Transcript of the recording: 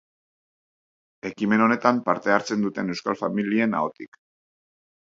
Ekimen honetan parte hartzen duten euskal familien ahotik.